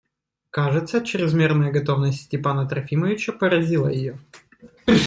Кажется, чрезмерная готовность Степана Трофимовича поразила ее.